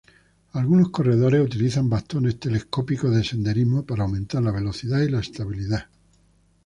Algunos corredores utilizan bastones telescópicos de senderismo para aumentar la velocidad y la estabilidad.